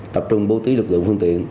tập trung bố tí lực lượng phương tiện